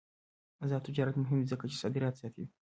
آزاد تجارت مهم دی ځکه چې صادرات زیاتوي.